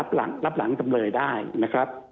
หลังรับหลังจำเลยได้นะครับ